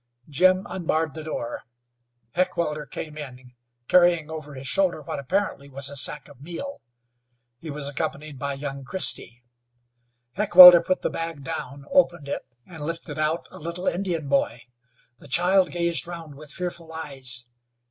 Jim unbarred the door. Heckewelder came in carrying over his shoulder what apparently was a sack of meal. He was accompanied by young Christy. Heckewelder put the bag down, opened it, and lifted out a little Indian boy. The child gazed round with fearful eyes.